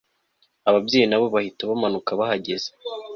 ababyeyi nabo bahita bamanuka bahageze